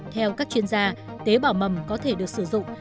theo các chuyên gia tế bào mầm có thể được sử dụng